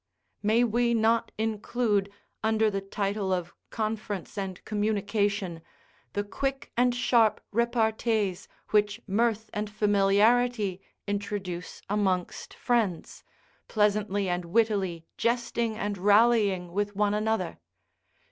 May we not include under the title of conference and communication the quick and sharp repartees which mirth and familiarity introduce amongst friends, pleasantly and wittily jesting and rallying with one another?